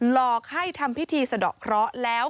หลอกให้ทำพิธีสะดอกเคราะห์แล้ว